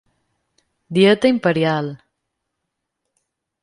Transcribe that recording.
Dieta imperial.